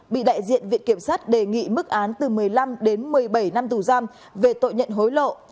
bị đại diện viện kiểm sát đề nghị mức án từ một mươi năm đến một mươi bảy năm tù giam về tội nhận hối lộ